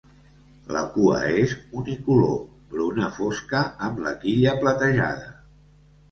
La cua és unicolor: bruna fosca amb la quilla platejada.